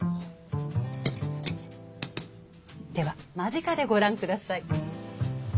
では間近でご覧ください。